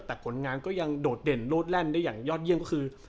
แต่ผลงานก็ยังโดดเด่นโลดแล่นได้อย่างยอดเยี่ยมก็คือ